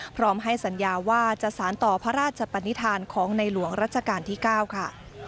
พร้อมให้สัญญาว่าจะสารต่อพระราชปนิษฐานของในหลวงรัชกาลที่๙ค่ะ